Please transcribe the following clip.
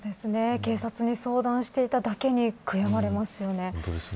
警察に相談していただけに悔やまれますよね。